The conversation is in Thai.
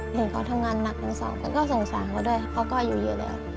เห็นเขาทำงานหนักทั้งสองคนก็สงสารเขาด้วยเขาก็อายุเยอะแล้ว